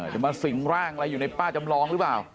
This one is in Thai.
จะมาสิ่งร่างอะไรอยู่ในป้าจำลองหรือเปล่า